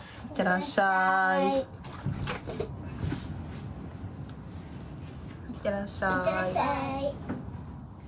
行ってらっしゃい。